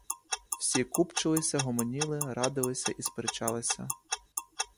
Всі купчилися, гомоніли, радилися й сперечалися.